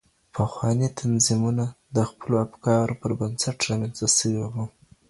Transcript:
پخواني تنظيمونه د خپلو افکارو پر بنسټ رامنځته سوي وو.